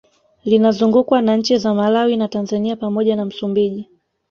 Linazungukwa na nchi za Malawi na Tanzania pamoja na Msumbiji